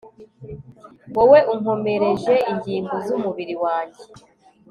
wowe unkomereje ingingo z'umubiri wanjye